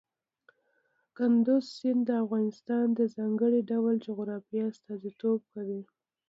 کندز سیند د افغانستان د ځانګړي ډول جغرافیه استازیتوب کوي.